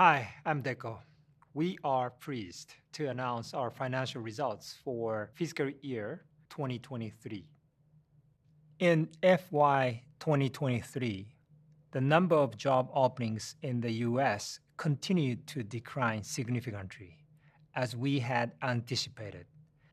Hi, I'm Riko. We are pleased to announce our financial results for fiscal year 2023. In FY 2023, the number of job openings in the U.S. continued to decline significantly, as we had anticipated.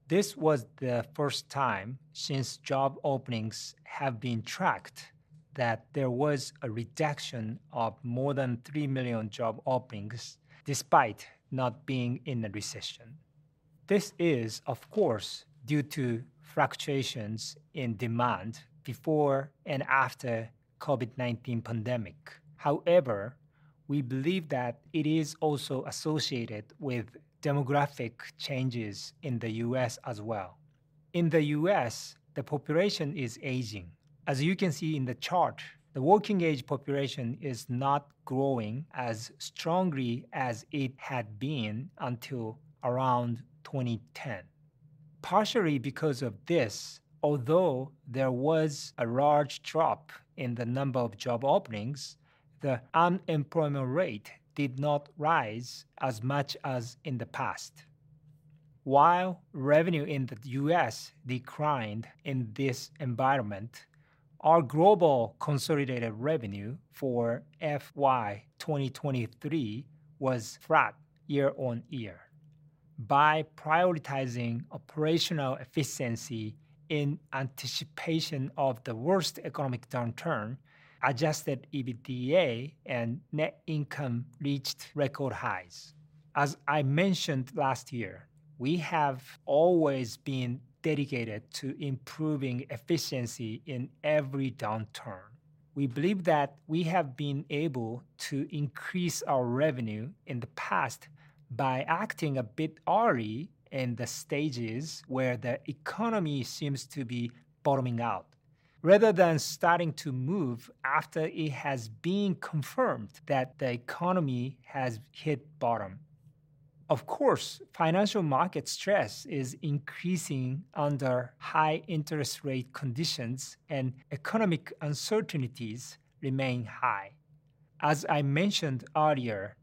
This was the first time since job openings have been tracked, that there was a reduction of more than 3 million job openings, despite not being in a recession. This is, of course, due to fluctuations in demand before and after COVID-19 pandemic. However, we believe that it is also associated with demographic changes in the U.S. as well. In the U.S., the population is aging. As you can see in the chart, the working-age population is not growing as strongly as it had been until around 2010. Partially because of this, although there was a large drop in the number of job openings, the unemployment rate did not rise as much as in the past. While revenue in the U.S. declined in this environment, our global consolidated revenue for FY 2023 was flat year-on-year. By prioritizing operational efficiency in anticipation of the worst economic downturn, Adjusted EBITDA and net income reached record highs. As I mentioned last year, we have always been dedicated to improving efficiency in every downturn. We believe that we have been able to increase our revenue in the past by acting a bit early in the stages where the economy seems to be bottoming out, rather than starting to move after it has been confirmed that the economy has hit bottom. Of course, financial market stress is increasing under high interest rate conditions, and economic uncertainties remain high. As I mentioned earlier,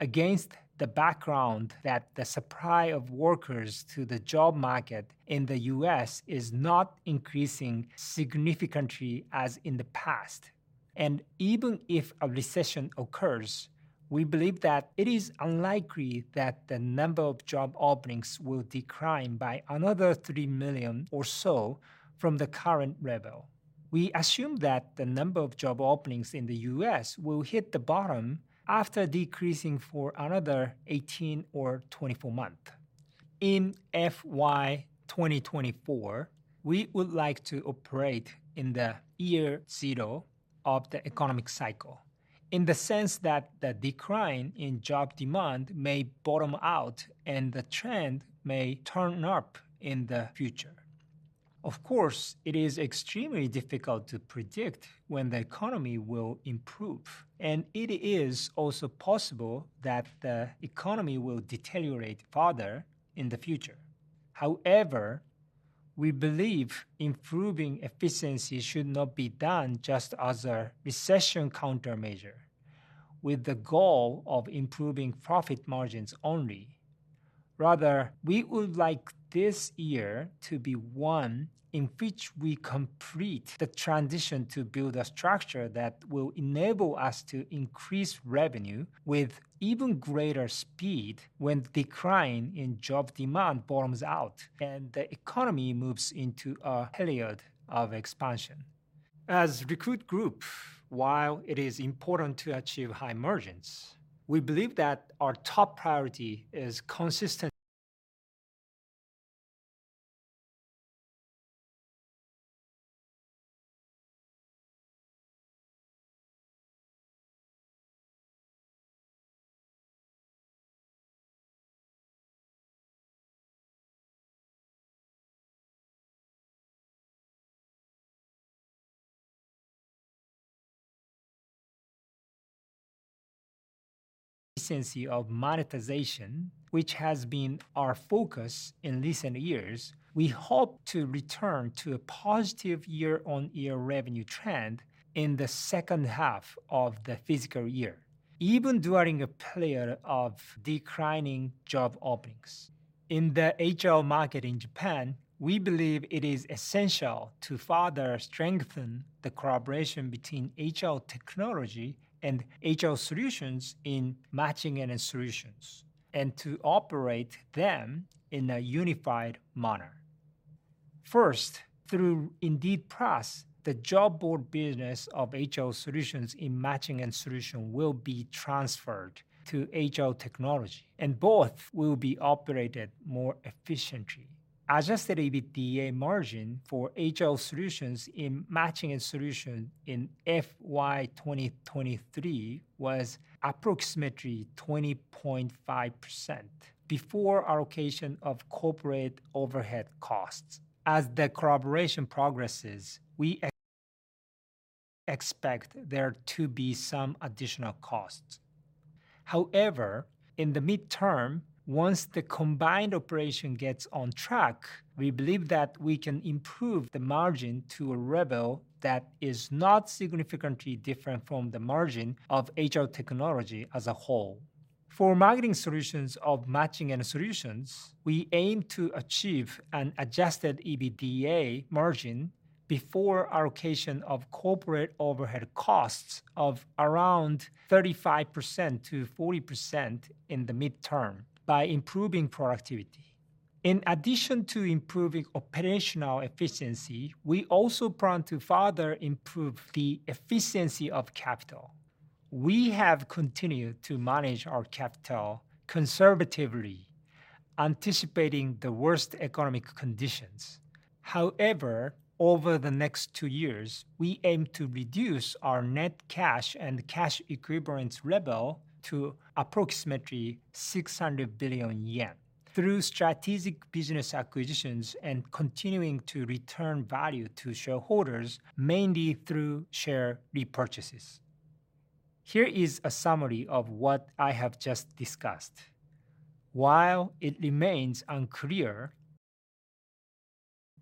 against the background that the supply of workers to the job market in the U.S. is not increasing significantly as in the past, and even if a recession occurs, we believe that it is unlikely that the number of job openings will decline by another 3 million or so from the current level. We assume that the number of job openings in the U.S. will hit the bottom after decreasing for another 18 or 24 months. In FY 2024, we would like to operate in the year zero of the economic cycle, in the sense that the decline in job demand may bottom out and the trend may turn up in the future. Of course, it is extremely difficult to predict when the economy will improve, and it is also possible that the economy will deteriorate further in the future. However, we believe improving efficiency should not be done just as a recession countermeasure, with the goal of improving profit margins only. Rather, we would like this year to be one in which we complete the transition to build a structure that will enable us to increase revenue with even greater speed when decline in job demand bottoms out and the economy moves into a period of expansion. As Recruit Group, while it is important to achieve high margins, we believe that our top priority is consistent efficiency of monetization, which has been our focus in recent years. We hope to return to a positive year-on-year revenue trend in the second half of the fiscal year, even during a period of declining job openings. In the HR market in Japan, we believe it is essential to further strengthen the collaboration between HR Technology and HR Solutions in Matching & Solutions, and to operate them in a unified manner. First, through Indeed PLUS, the job board business of HR Solutions in Matching & Solutions will be transferred to HR Technology, and both will be operated more efficiently. Adjusted EBITDA margin for HR Solutions in Matching & Solutions in FY 2023 was approximately 20.5% before allocation of corporate overhead costs. As the collaboration progresses, we expect there to be some additional costs. However, in the midterm, once the combined operation gets on track, we believe that we can improve the margin to a level that is not significantly different from the margin of HR Technology as a whole.... For Marketing Solutions of Matching & Solutions, we aim to achieve an adjusted EBITDA margin before allocation of corporate overhead costs of around 35%-40% in the midterm by improving productivity. In addition to improving operational efficiency, we also plan to further improve the efficiency of capital. We have continued to manage our capital conservatively, anticipating the worst economic conditions. However, over the next two years, we aim to reduce our net cash and cash equivalents level to approximately 600 billion yen through strategic business acquisitions and continuing to return value to shareholders, mainly through share repurchases. Here is a summary of what I have just discussed. While it remains unclear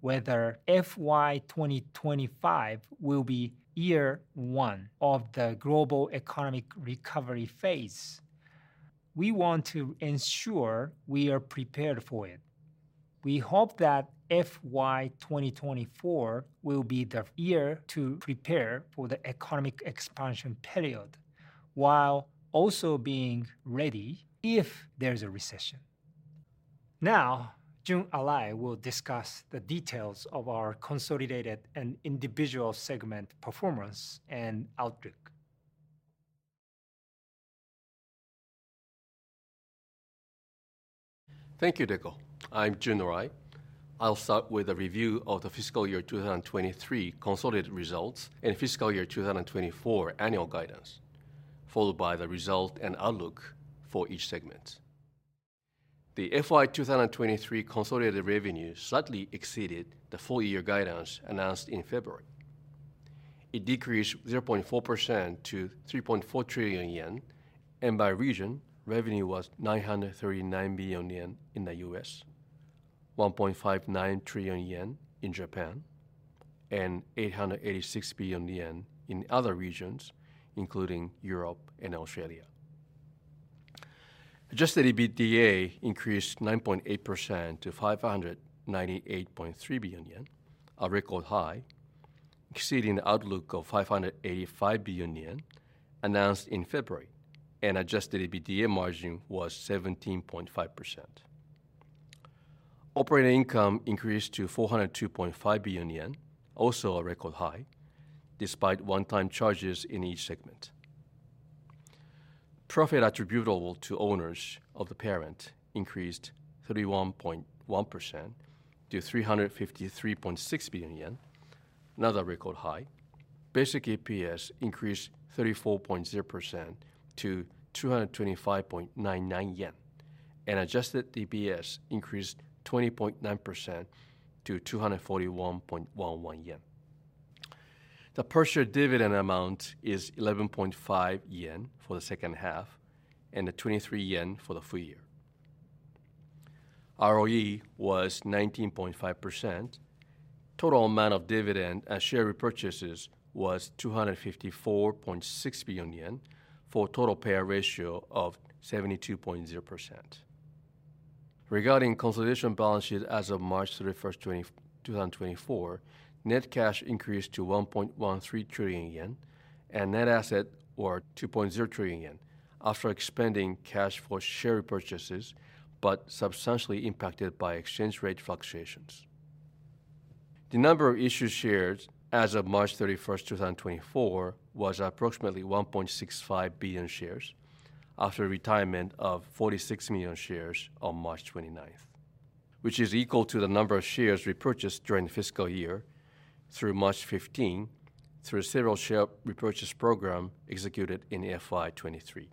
whether FY 2025 will be year one of the global economic recovery phase, we want to ensure we are prepared for it. We hope that FY 2024 will be the year to prepare for the economic expansion period, while also being ready if there is a recession. Now, Jun Arai will discuss the details of our consolidated and individual segment performance and outlook. Thank you, Riko. I'm Jun Arai. I'll start with a review of the fiscal year 2023 consolidated results and fiscal year 2024 annual guidance, followed by the result and outlook for each segment. The FY 2023 consolidated revenue slightly exceeded the full-year guidance announced in February. It decreased 0.4% to 3.4 trillion yen, and by region, revenue was 939 billion yen in the U.S., 1.59 trillion yen in Japan, and 886 billion yen in other regions, including Europe and Australia. Adjusted EBITDA increased 9.8% to 598.3 billion yen, a record high, exceeding the outlook of 585 billion yen announced in February, and adjusted EBITDA margin was 17.5%. Operating income increased to 402.5 billion yen, also a record high, despite one-time charges in each segment. Profit attributable to owners of the parent increased 31.1% to 353.6 billion yen, another record high. Basic EPS increased 34.0% to 225.99 yen, and adjusted EPS increased 20.9% to 241.11 yen. The per-share dividend amount is 11.5 yen for the second half and 23 yen for the full year. ROE was 19.5%. Total amount of dividend and share repurchases was 254.6 billion yen, for a total payout ratio of 72.0%. Regarding consolidated balance sheet as of March 31, 2024, net cash increased to 1.13 trillion yen, and net assets were 2.0 trillion yen after expending cash for share repurchases, but substantially impacted by exchange rate fluctuations. The number of issued shares as of March 31, 2024, was approximately 1.65 billion shares after retirement of 46 million shares on March 29, which is equal to the number of shares repurchased during the fiscal year through March 15, through a several share repurchase program executed in FY 2023.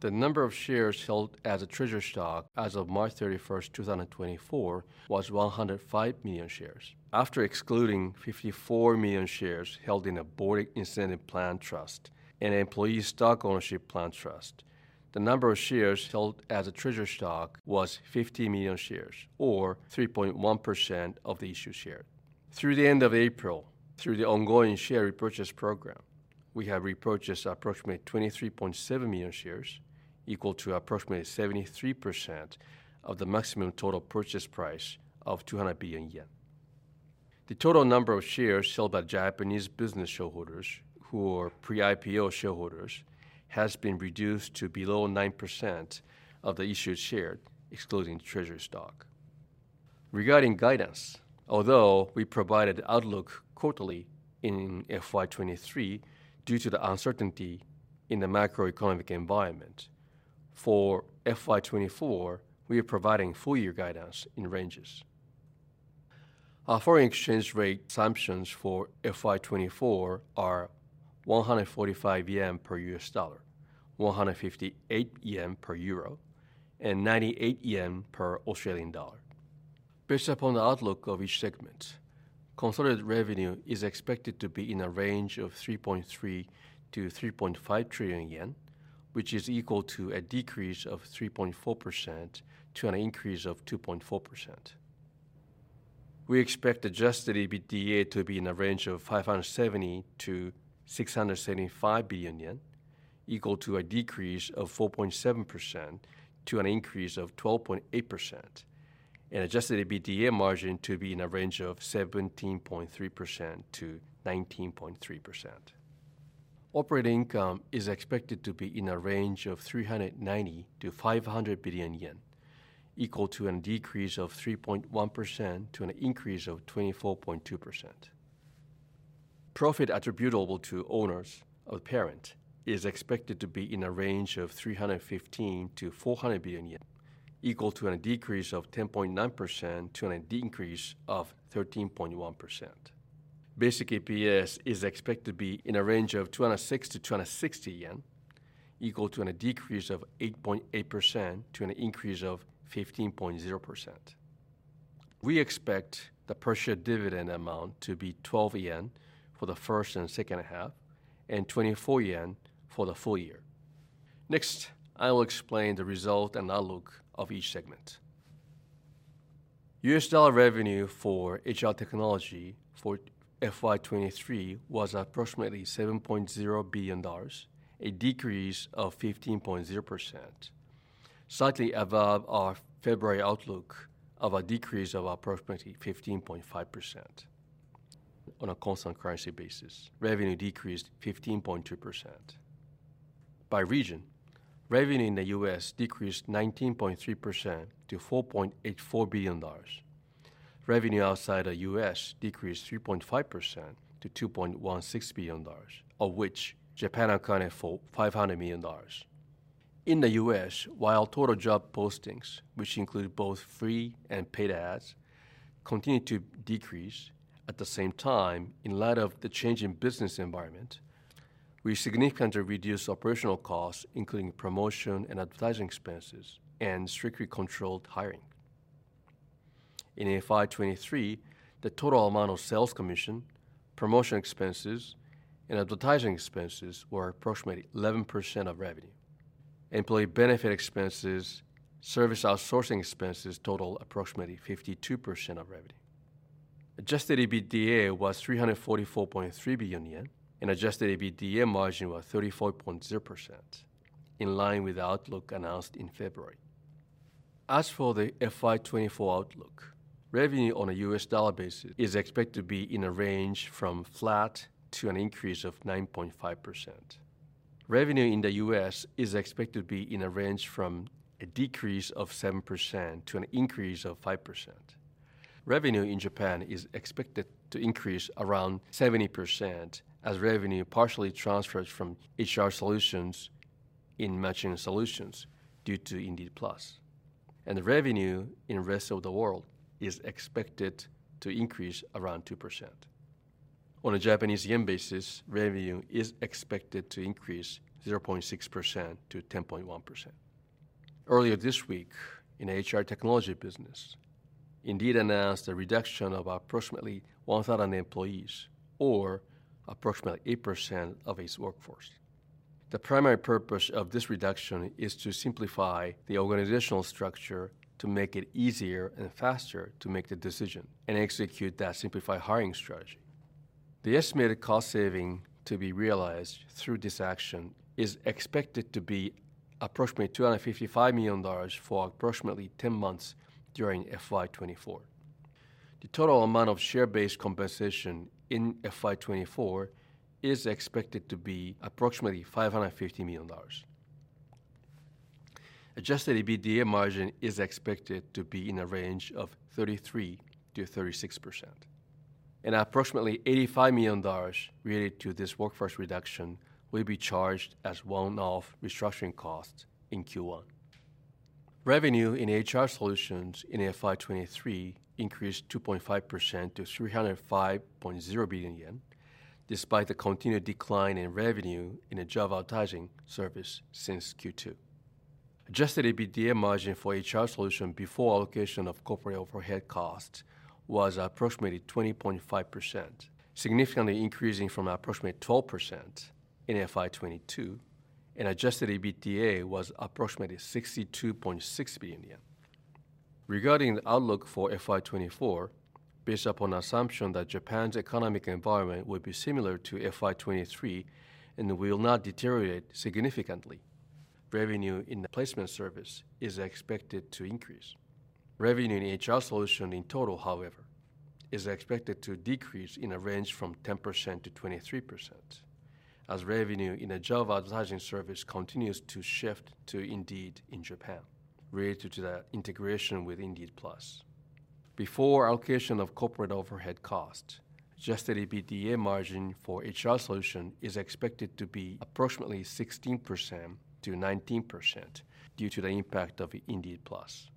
The number of shares held as treasury stock as of March 31, 2024, was 105 million shares. After excluding 54 million shares held in a Board Incentive Plan Trust and Employee Stock Ownership Plan Trust, the number of shares held as a treasury stock was 50 million shares, or 3.1% of the issued shares. Through the end of April, through the ongoing share repurchase program, we have repurchased approximately 23.7 million shares, equal to approximately 73% of the maximum total purchase price of 200 billion yen. The total number of shares held by Japanese business shareholders who are pre-IPO shareholders, has been reduced to below 9% of the issued shares, excluding treasury stock. Regarding guidance, although we provided outlook quarterly in FY 2023, due to the uncertainty in the macroeconomic environment, for FY 2024, we are providing full-year guidance in ranges. Our foreign exchange rate assumptions for FY 2024 are 145 yen per US dollar, 158 yen per euro, and 98 yen per Australian dollar. Based upon the outlook of each segment, consolidated revenue is expected to be in a range of 3.3 trillion-3.5 trillion yen, which is equal to a decrease of 3.4% to an increase of 2.4%.... We expect Adjusted EBITDA to be in a range of 570 billion-675 billion yen, equal to a decrease of 4.7% to an increase of 12.8%, and Adjusted EBITDA margin to be in a range of 17.3%-19.3%. Operating income is expected to be in a range of 390 billion-500 billion yen, equal to a decrease of 3.1% to an increase of 24.2%. Profit attributable to owners of parent is expected to be in a range of 315 billion-400 billion yen, equal to a decrease of 10.9% to an increase of 13.1%. Basic EPS is expected to be in a range of 206-260 yen, equal to a decrease of 8.8%, to an increase of 15.0%. We expect the per share dividend amount to be 12 yen for the first and second half, and 24 yen for the full year. Next, I will explain the result and outlook of each segment. U.S. dollar revenue for HR Technology for FY 2023 was approximately $7.0 billion, a decrease of 15.0%, slightly above our February outlook of a decrease of approximately 15.5%. On a constant currency basis, revenue decreased 15.2%. By region, revenue in the U.S. decreased 19.3% to $4.84 billion. Revenue outside the U.S. decreased 3.5% to $2.16 billion, of which Japan accounted for $500 million. In the U.S., while total job postings, which include both free and paid ads, continued to decrease, at the same time, in light of the changing business environment, we significantly reduced operational costs, including promotion and advertising expenses, and strictly controlled hiring. In FY 2023, the total amount of sales commission, promotion expenses, and advertising expenses were approximately 11% of revenue. Employee benefit expenses, service outsourcing expenses total approximately 52% of revenue. Adjusted EBITDA was 344.3 billion yen, and adjusted EBITDA margin was 34.0%, in line with the outlook announced in February. As for the FY 2024 outlook, revenue on a U.S. dollar basis is expected to be in a range from flat to an increase of 9.5%. Revenue in the U.S. is expected to be in a range from a decrease of 7% to an increase of 5%. Revenue in Japan is expected to increase around 70% as revenue partially transfers from HR Solutions in Matching & Solutions due to Indeed PLUS, and the revenue in the rest of the world is expected to increase around 2%. On a Japanese yen basis, revenue is expected to increase 0.6%-10.1%. Earlier this week, in HR Technology business, Indeed announced a reduction of approximately 1,000 employees, or approximately 8% of its workforce. The primary purpose of this reduction is to simplify the organizational structure, to make it easier and faster to make the decision and execute that simplified hiring strategy. The estimated cost saving to be realized through this action is expected to be approximately $255 million for approximately 10 months during FY 2024. The total amount of share-based compensation in FY 2024 is expected to be approximately $550 million. Adjusted EBITDA margin is expected to be in a range of 33%-36%, and approximately $85 million related to this workforce reduction will be charged as one-off restructuring costs in Q1. Revenue in HR Solutions in FY 2023 increased 2.5% to 305.0 billion yen, despite the continued decline in revenue in the job advertising service since Q2. Adjusted EBITDA margin for HR Solutions before allocation of corporate overhead costs was approximately 20.5%, significantly increasing from approximately 12% in FY 2022, and adjusted EBITDA was approximately 62.6 billion yen. Regarding the outlook for FY 2024, based upon the assumption that Japan's economic environment will be similar to FY 2023 and will not deteriorate significantly, revenue in the placement service is expected to increase. Revenue in HR Solutions in total, however, is expected to decrease in a range from 10%-23%, as revenue in the job advertising service continues to shift to Indeed in Japan, related to the integration with Indeed PLUS. Before allocation of corporate overhead costs, adjusted EBITDA margin for HR Solutions is expected to be approximately 16%-19% due to the impact of Indeed PLUS.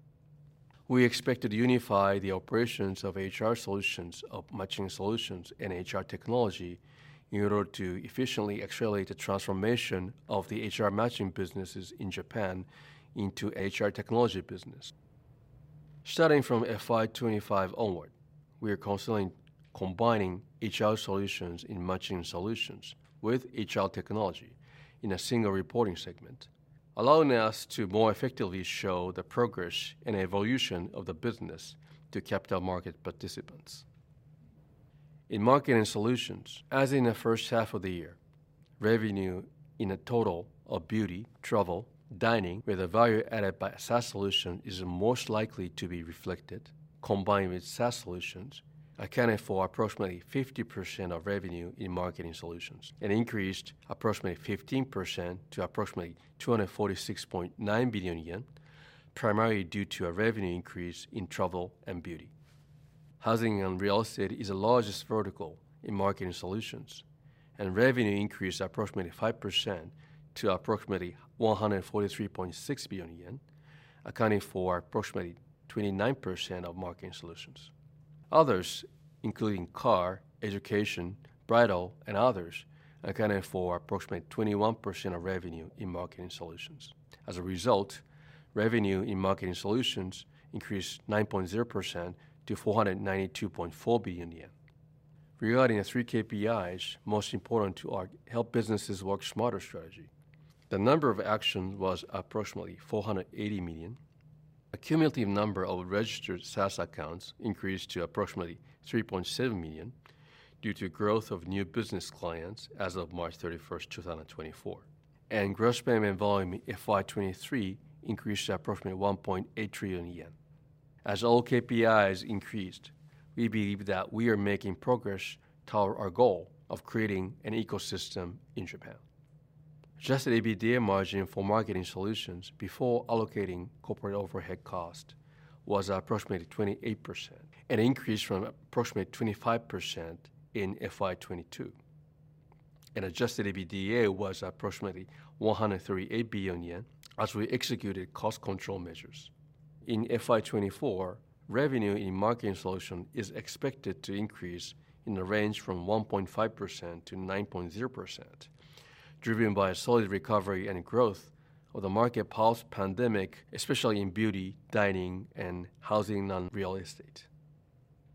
We expect to unify the operations of HR Solutions, of Matching & Solutions and HR Technology in order to efficiently accelerate the transformation of the HR matching businesses in Japan into HR Technology business. Starting from FY 2025 onward, we are considering combining HR Solutions in Matching & Solutions with HR Technology in a single reporting segment, allowing us to more effectively show the progress and evolution of the business to capital market participants. In Marketing Solutions, as in the first half of the year, revenue in a total of beauty, travel, dining, where the value added by a SaaS solution is most likely to be reflected, combined with SaaS solutions, accounted for approximately 50% of revenue in Marketing Solutions and increased approximately 15% to approximately 246.9 billion yen, primarily due to a revenue increase in travel and beauty. Housing and real estate is the largest vertical in Marketing Solutions, and revenue increased approximately 5% to approximately 143.6 billion yen, accounting for approximately 29% of Marketing Solutions. Others, including car, education, bridal, and others, accounted for approximately 21% of revenue in Marketing Solutions. As a result, revenue in Marketing Solutions increased 9.0% to 492.4 billion yen. Regarding the three KPIs most important to our Help Businesses Work Smarter strategy, the number of actions was approximately 480 million. Accumulative number of registered SaaS accounts increased to approximately 3.7 million due to growth of new business clients as of March 31, 2024. Gross payment volume in FY 2023 increased to approximately 1.8 trillion yen. As all KPIs increased, we believe that we are making progress toward our goal of creating an ecosystem in Japan. Adjusted EBITDA margin for Marketing Solutions before allocating corporate overhead cost was approximately 28%, an increase from approximately 25% in FY 2022. Adjusted EBITDA was approximately 138 billion yen as we executed cost control measures. In FY 2024, revenue in Marketing Solutions is expected to increase in the range from 1.5%-9.0%, driven by a solid recovery and growth of the market post-pandemic, especially in beauty, dining, and housing and real estate.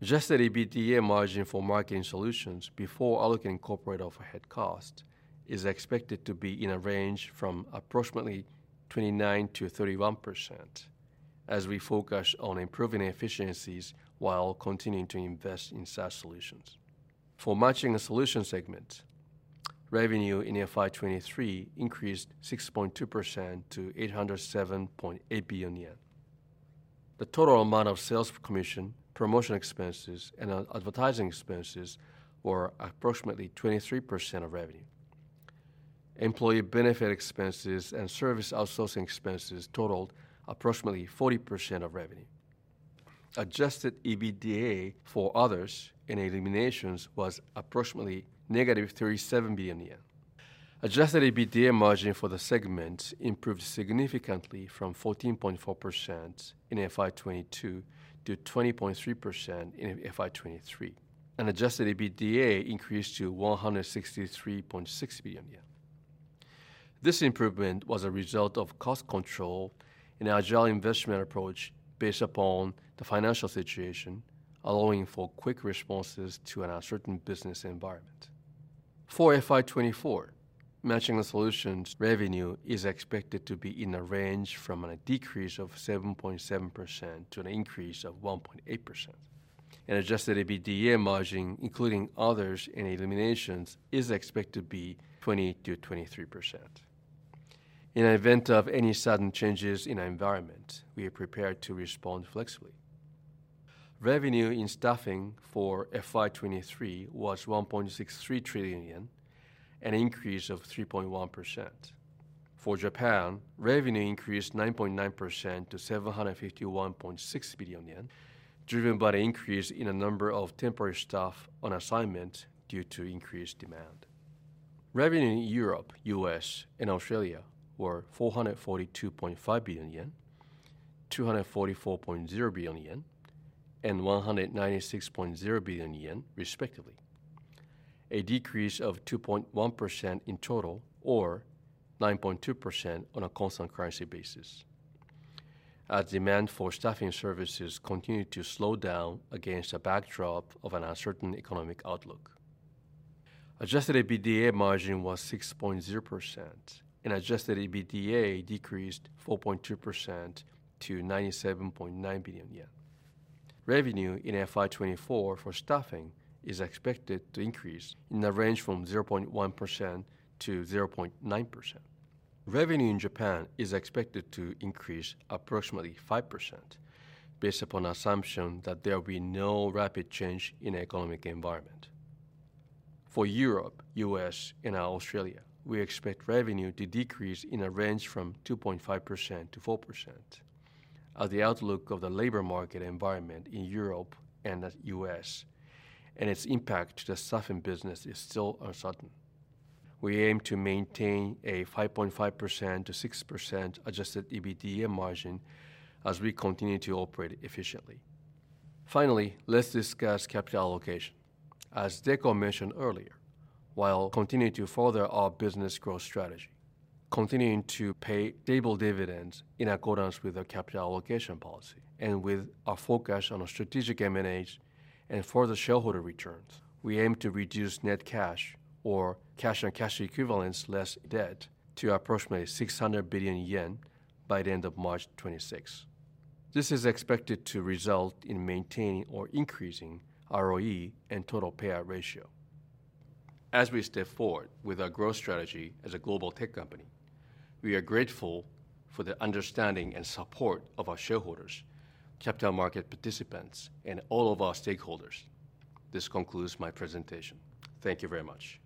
Adjusted EBITDA margin for Marketing Solutions before allocating corporate overhead cost is expected to be in a range from approximately 29%-31% as we focus on improving efficiencies while continuing to invest in SaaS solutions. For Matching & Solutions segment, revenue in FY 2023 increased 6.2% to 807.8 billion yen. The total amount of sales commission, promotion expenses, and advertising expenses were approximately 23% of revenue. Employee benefit expenses and service outsourcing expenses totaled approximately 40% of revenue. Adjusted EBITDA for others and eliminations was approximately -37 billion yen. Adjusted EBITDA margin for the segment improved significantly from 14.4% in FY 2022 to 20.3% in FY 2023, and adjusted EBITDA increased to 163.6 billion yen. This improvement was a result of cost control and agile investment approach based upon the financial situation, allowing for quick responses to an uncertain business environment. For FY 2024, Matching & Solutions revenue is expected to be in the range from a decrease of 7.7% to an increase of 1.8%, and adjusted EBITDA margin, including others and eliminations, is expected to be 20%-23%. In the event of any sudden changes in our environment, we are prepared to respond flexibly. Revenue in Staffing for FY 2023 was 1.63 trillion yen, an increase of 3.1%. For Japan, revenue increased 9.9% to 751.6 billion yen, driven by the increase in the number of temporary staff on assignment due to increased demand. Revenue in Europe, U.S., and Australia were 442.5 billion yen, 244.0 billion yen, and 196.0 billion yen, respectively. A decrease of 2.1% in total or 9.2% on a constant currency basis, as demand for staffing services continued to slow down against a backdrop of an uncertain economic outlook. Adjusted EBITDA margin was 6.0%, and adjusted EBITDA decreased 4.2% to 97.9 billion yen. Revenue in FY 2024 for Staffing is expected to increase in the range from 0.1% to 0.9%. Revenue in Japan is expected to increase approximately 5% based upon assumption that there will be no rapid change in economic environment. For Europe, US, and Australia, we expect revenue to decrease in a range from 2.5% to 4%, as the outlook of the labor market environment in Europe and the US and its impact to the staffing business is still uncertain. We aim to maintain a 5.5%-6% adjusted EBITDA margin as we continue to operate efficiently. Finally, let's discuss capital allocation. As Riko mentioned earlier, while continuing to further our business growth strategy, continuing to pay stable dividends in accordance with our capital allocation policy and with a focus on strategic M&As and further shareholder returns, we aim to reduce net cash or cash and cash equivalents less debt to approximately 600 billion yen by the end of March 2026. This is expected to result in maintaining or increasing ROE and total payout ratio. As we step forward with our growth strategy as a global tech company, we are grateful for the understanding and support of our shareholders, capital market participants, and all of our stakeholders. This concludes my presentation. Thank you very much!